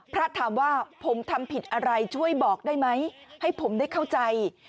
พระถามว่าผมทำผิดอะไรช่วยบอกได้ไหมให้ผมได้เข้าใจ